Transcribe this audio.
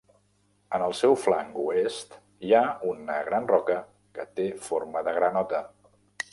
En el seu flanc oest hi ha una gran roca que té forma de granota.